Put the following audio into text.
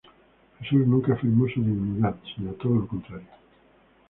Jesús nunca afirmó su divinidad, sino todo lo contrario.